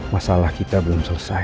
masalah kita belum selesai